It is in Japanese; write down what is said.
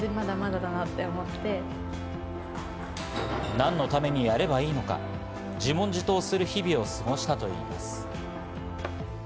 なんのためにやればいいのか、自問自答する日々を過ごしたといいます。